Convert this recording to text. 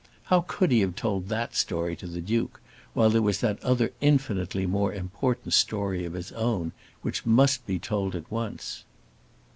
How could he have told that story to the Duke, while there was that other infinitely more important story of his own, which must be told at once?